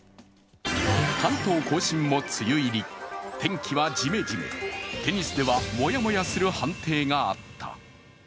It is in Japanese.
関東甲信も梅雨入り、天気はジメジメ、テニスではモヤモヤする判定があった。